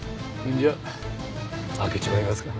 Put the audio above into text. んじゃ開けちまいますか。